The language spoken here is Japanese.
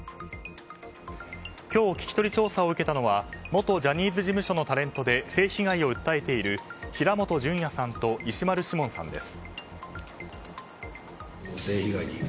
今日、聞き取り調査を受けたのは元ジャニーズ事務所のタレントで性被害を訴えている平本淳也さんと石丸志門さんです。